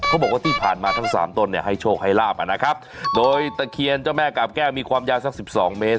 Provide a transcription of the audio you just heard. เขาบอกว่าที่ผ่านมาทั้งสามต้นเนี่ยให้โชคให้ลาบอ่ะนะครับโดยตะเคียนเจ้าแม่กาบแก้วมีความยาวสักสิบสองเมตร